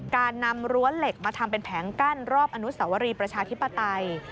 การนำรั้วเหล็กมาทำเป็นแผงกั้นรอบอนุสวรีประชาธิปไตย